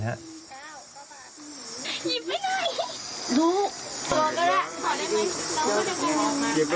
ได้ปะ